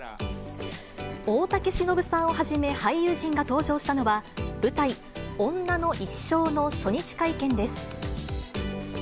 大竹しのぶさんをはじめ、俳優陣が登場したのは、舞台、女の一生の初日会見です。